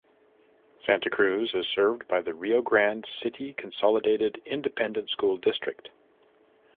Santa Cruz is served by the Rio Grande City Consolidated Independent School District.